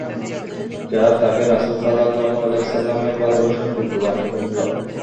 যা তাঁকে রাসূলুল্লাহ সাল্লাল্লাহু আলাইহি ওয়াসাল্লামের ভালবাসার যোগ্য বানিয়ে ফেলল।